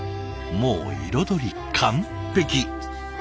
もう彩り完璧！